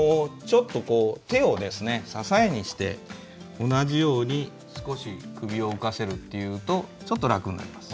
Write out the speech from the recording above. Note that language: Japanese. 手を支えにして同じように少し首を浮かせるとちょっと楽になります。